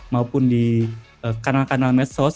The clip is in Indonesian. maupun di kanal kanal medsos